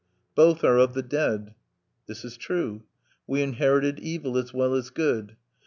Both are of the dead." This is true. We inherited evil as well as good.